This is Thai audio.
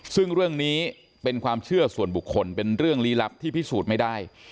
ซึ่งเรื่องนี้เป็นความเชื่อส่วนบุคคลเป็นเรื่องลี้ลับที่พิสูจน์ไม่ได้